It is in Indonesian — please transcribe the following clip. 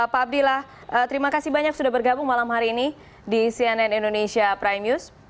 pak abdillah terima kasih banyak sudah bergabung malam hari ini di cnn indonesia prime news